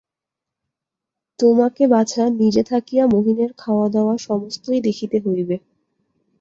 তোমাকে বাছা, নিজে থাকিয়া মহিনের খাওয়াদাওয়া সমস্তই দেখিতে হইবে।